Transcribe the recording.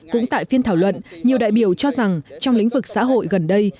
cũng tại phiên thảo luận nhiều đại biểu cho rằng trong lĩnh vực xã hội gần đây